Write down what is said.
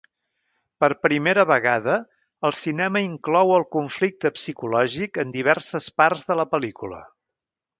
Per primera vegada el cinema inclou el conflicte psicològic en diverses parts de la pel·lícula.